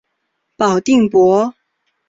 保定伯。